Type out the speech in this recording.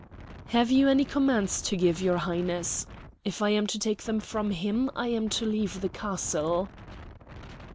"Have you any commands to give, your Highness? If I am to take them from him, I am to leave the castle."